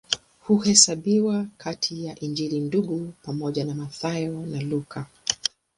Huhesabiwa kati ya Injili Ndugu pamoja na Mathayo na Luka.